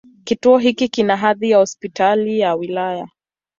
Kituo hiki kina hadhi ya Hospitali ya wilaya.